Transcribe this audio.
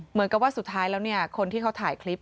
เหมือนกับว่าสุดท้ายแล้วเนี่ยคนที่เขาถ่ายคลิป